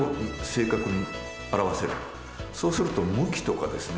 そうすると向きとかですね